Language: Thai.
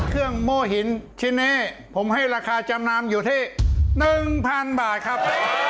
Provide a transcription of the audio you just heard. เครื่องโมหินชิเน่ผมให้ราคาจำนำอยู่ที่๑๐๐๐บาทครับ